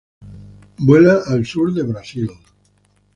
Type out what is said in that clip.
Vuela al sur de Brasil.